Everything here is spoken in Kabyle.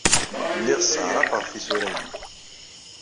Lliɣ sseɛraqeɣ tisura-inu.